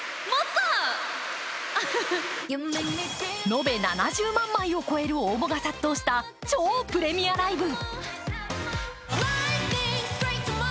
延べ７０万枚を超える応募が殺到した超プレミアライブ。